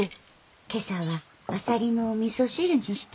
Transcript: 今朝はあさりのおみそ汁にしたんよ。